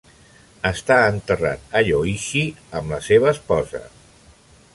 Està enterrat a Yoichi amb la seva esposa.